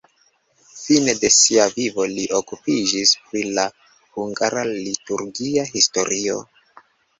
Fine de sia vivo li okupiĝis pri la hungara liturgia historio.